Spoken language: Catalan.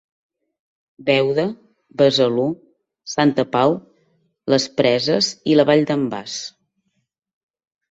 Beuda, Besalú, Santa Pau, les Preses i la Vall d'en Bas.